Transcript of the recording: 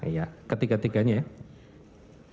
iya ketiga tiganya ya